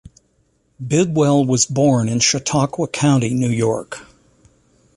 Bidwell was born in Chautauqua County, New York.